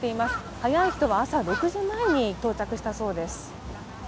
早い人は朝６時前に到着したそうです。